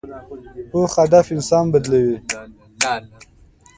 پوخ هدف انسان بدلوي